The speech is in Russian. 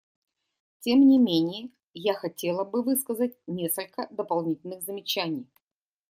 Тем не менее я хотела бы высказать несколько дополнительных замечаний.